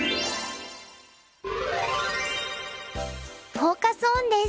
フォーカス・オンです。